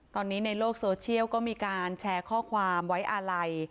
ตอนนี้ในโลกโซเชียลก็มีการแชร์ข้อความไว้อาลัย